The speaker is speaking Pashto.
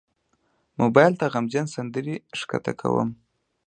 موبایل ته غمجن سندرې ښکته کوم.